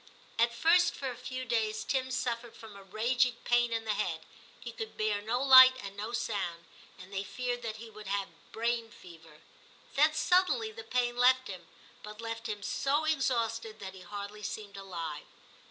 At first for a few days Tim suffered from a raging pain in the head ; he could bear no light and no sound, and they feared that he would have brain fever. Then suddenly the pain left him, but left him so exhausted that he hardly seemed alive.